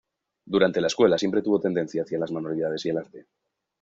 Durante la escuela siempre tuvo tendencia hacia las manualidades y el arte.